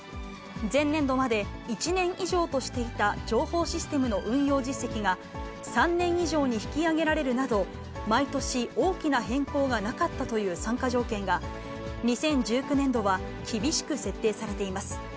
前年度まで１年以上としていた情報システムの運用実績が３年以上に引き上げられるなど、毎年大きな変更はなかったという参加条件が、２０１９年度は厳しく設定されています。